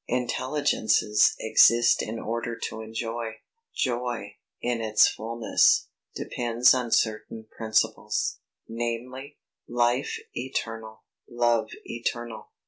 Intelligences exist in order to enjoy. Joy, in its fulness, depends on certain principles, viz. Life Eternal. Love Eternal.